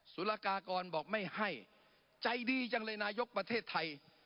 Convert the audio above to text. สุรกากรบอกไม่ให้ใจดีจังเลยนายกประเทศไทย